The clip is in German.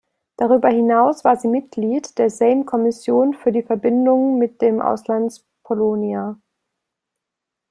Darüber hinaus war sie Mitglied der Sejm-Kommission für die Verbindung mit der Auslands-Polonia.